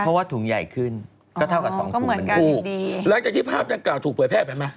เพราะว่าถุงใหญ่ขึ้นก็เท่ากับสองถุงมันถูกหลังจากที่ภาพดังกล่าวถูกเผยแพร่ไปไหม